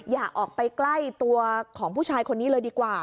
อย่าออกไปใกล้ตัวของผู้ชายคนนี้เลยดีกว่า